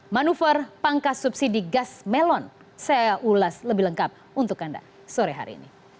manuver pangkas subsidi gas melon saya ulas lebih lengkap untuk anda sore hari ini